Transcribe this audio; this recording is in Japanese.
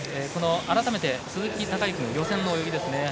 改めて鈴木孝幸の予選の泳ぎです。